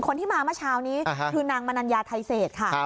คนที่มาเมื่อเช้านี้คือนางมนัญญาไทยเศษค่ะ